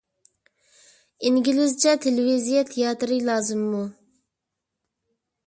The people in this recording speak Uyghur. ئىنگلىزچە تېلېۋىزىيە تىياتىرى لازىممۇ؟